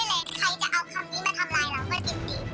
ใครจะเอาคำนี้มาทำลายเราก็จริง